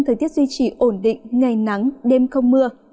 thời tiết duy trì ổn định ngày nắng đêm không mưa